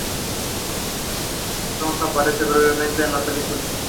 Tong aparece brevemente en la película.